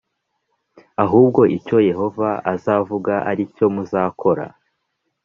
ahubwo icyo yehova azavuga aricyo muzakora